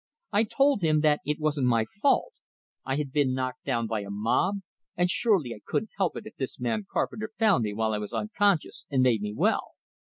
I told him that it wasn't my fault I had been knocked down by a mob, and surely I couldn't help it if this man Carpenter found me while I was unconscious, and made me well.